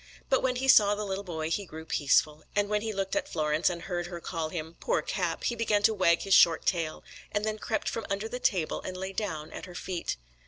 But when he saw the little boy he grew peaceful, and when he looked at Florence and heard her call him "poor Cap," he began to wag his short tail; and then crept from under the table and lay down at her feet.